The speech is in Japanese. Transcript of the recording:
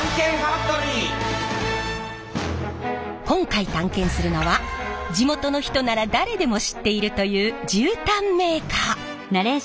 今回探検するのは地元の人なら誰でも知っているという絨毯メーカー。